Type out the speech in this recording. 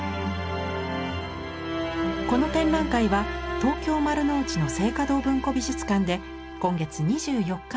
この展覧会は東京丸の内の静嘉堂文庫美術館で今月２４日まで。